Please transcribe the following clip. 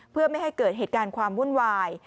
เพื่อไม่ให้เกิดเหตุการณ์ความวุ่นวาย